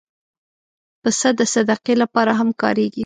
پسه د صدقې لپاره هم کارېږي.